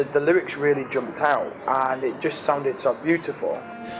saya akan berjalan setiap pulau dan berjalan setiap laut